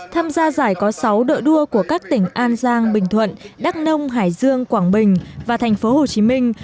tham gia giải có sáu đội đua của các tỉnh an giang bình thuận đắk nông hải dương quảng bình và thành phố hồ chí minh